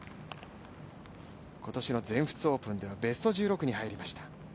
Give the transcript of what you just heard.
今年の全仏オープンではベスト１６に入りました。